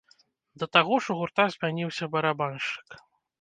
Да таго ж у гурта змяніўся барабаншчык.